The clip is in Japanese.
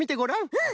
うん。